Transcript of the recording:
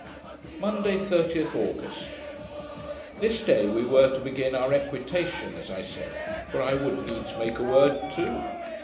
Monday, 30th August This day we were to begin our EQUITATION, as I said; for I would needs make a word too.